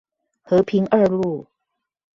和平二路